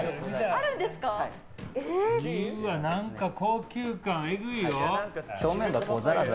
なんか高級感えぐいよ。